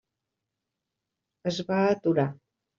Es va aturar.